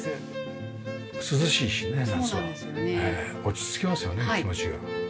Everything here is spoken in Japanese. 落ち着きますよね気持ちが。